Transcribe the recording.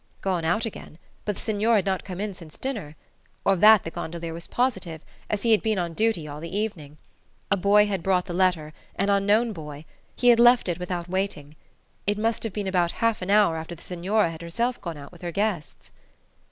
Gone out again? But the signore had not come in since dinner: of that the gondolier was positive, as he had been on duty all the evening. A boy had brought the letter an unknown boy: he had left it without waiting. It must have been about half an hour after the signora had herself gone out with her guests.